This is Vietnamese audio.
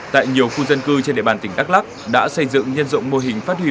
tại nhiều khu dân cư trên đề bàn tỉnh đắk lắk đã xây dựng nhân dụng mô hình phát huy